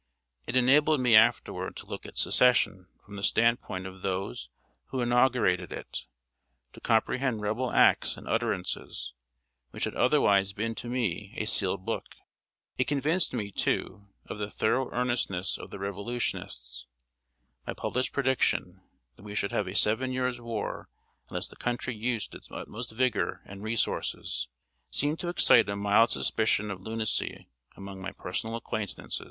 It enabled me afterward to look at Secession from the stand point of those who inaugurated it; to comprehend Rebel acts and utterances, which had otherwise been to me a sealed book. It convinced me, too, of the thorough earnestness of the Revolutionists. My published prediction, that we should have a seven years' war unless the country used its utmost vigor and resources, seemed to excite a mild suspicion of lunacy among my personal acquaintances.